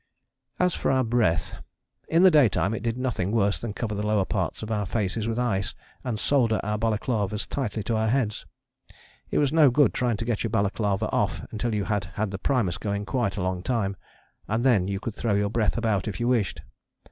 As for our breath in the daytime it did nothing worse than cover the lower parts of our faces with ice and solder our balaclavas tightly to our heads. It was no good trying to get your balaclava off until you had had the primus going quite a long time, and then you could throw your breath about if you wished.